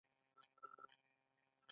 د کوڅه رڼا هم د دوی په زړونو کې ځلېده.